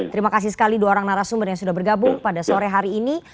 terima kasih sekali dua orang narasumber yang sudah bergabung pada sore hari ini